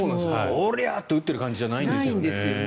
おりゃ！って打ってる感じじゃないんですよね。